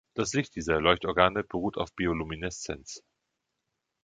Das Licht dieser Leuchtorgane beruht auf Biolumineszenz.